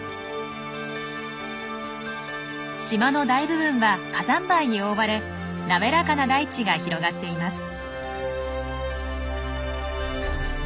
島の大部分は火山灰に覆われ滑らかな大地が広がっています。